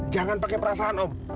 jangan pakai perasaan om